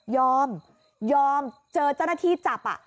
ยอมยอมเจอเจ้าหน้าที่จับ